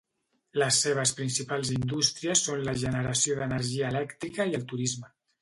Les seves principals indústries són la generació d'energia elèctrica i el turisme.